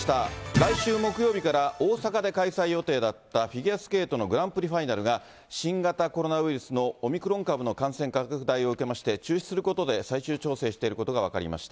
来週木曜日から大阪で開催予定だったフィギュアスケートのグランプリファイナルが、新型コロナウイルスのオミクロン株の感染拡大を受けまして、中止することで、最終調整していることが分かりました。